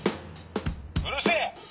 「うるせえ！